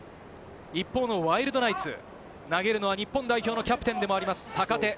一方のワイルドナイツ、投げるのは日本代表のキャプテンでもあります、坂手。